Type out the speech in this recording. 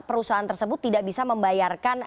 perusahaan tersebut tidak bisa membayarkan